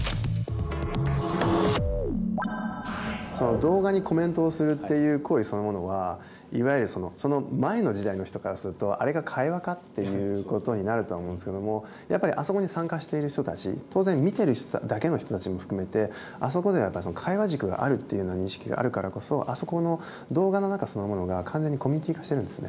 動画にコメントをするっていう行為そのものはいわゆるその前の時代の人からすると「あれが会話か？」っていう事になるとは思うんですけどもやっぱりあそこに参加している人たち当然見てるだけの人たちも含めてあそこではやっぱり会話軸があるという認識があるからこそあそこの動画の中そのものが完全にコミュニティー化してるんですね